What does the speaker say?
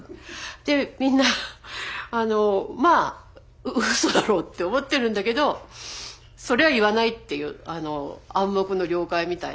でみんなまあうそだろうって思ってるんだけどそれは言わないっていう暗黙の了解みたいな。